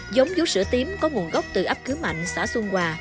giống vú sữa tím có nguồn gốc từ ấp cứu mạnh xã xuân hòa